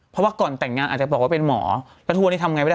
เพราะว่าก่อนแต่งงานอาจจะบอกว่าเป็นหมอแล้วทุกวันนี้ทำไงไม่ได้